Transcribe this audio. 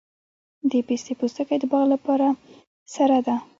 د پستې پوستکي د باغ لپاره سره ده؟